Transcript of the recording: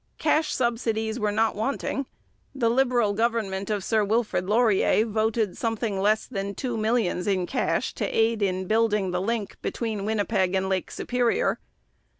Cash subsidies were not wanting. The Liberal government of Sir Wilfrid Laurier voted something less than two millions in cash to aid in building the link between Winnipeg and Lake Superior.